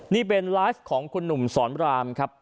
นี่เป็นไลฟ์ของคุณหนุ่มสอนรามครับ